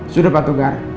sudah pak togar